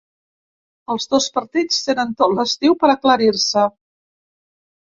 Els dos partits tenen tot l’estiu per aclarir-se.